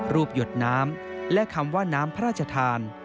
หยดน้ำและคำว่าน้ำพระราชทาน